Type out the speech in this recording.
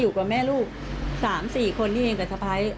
อยู่กับแม่ลูก๓๔คนที่มีเงินกระทะพร้าย